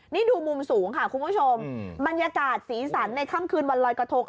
นี่ดูมุมสูงค่ะคุณผู้ชมบรรยากาศสีสันในค่ำคืนวันลอยกระทง